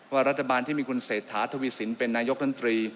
รัฐบาลที่มีคุณเศรษฐาทวีสินเป็นนายกรัฐมนตรี